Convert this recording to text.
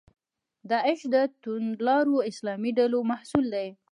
داعش د توندلارو اسلامي ډلو محصول دی.